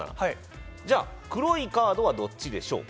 じゃあ黒いカードはどっちでしょう？